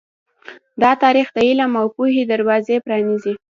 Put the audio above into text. دا تاریخ د علم او پوهې دروازې پرانیزي.